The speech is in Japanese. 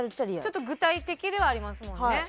ちょっと具体的ではありますもんね。